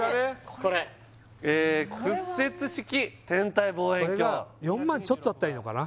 これ屈折式天体望遠鏡これが４００００ちょっとだったらいいのかな